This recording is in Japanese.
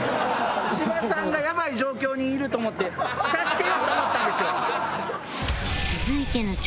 芝さんがやばい状況にいると思って助けようと思ったんですよ。